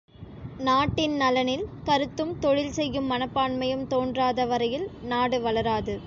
நாட்டின் நலனில் கருத்தும், தொழில் செய்யும் மனப்பான்மையும் தோன்றாத வரையில் நாடு வளராது.